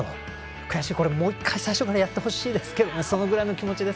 悔しい、これ、もう１回最初からやってほしいですけど。